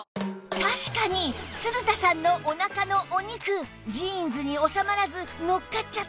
確かに鶴田さんのおなかのお肉ジーンズに収まらず乗っかっちゃってます